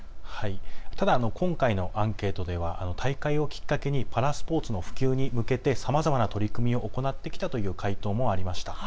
ただ今回のアンケートでは大会をきっかけにパラスポーツの普及に向けてさまざまな取り組みを行ってきたという回答もありました。